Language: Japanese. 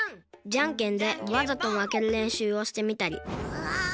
じゃんけんでわざとまけるれんしゅうをしてみたりぐわっ！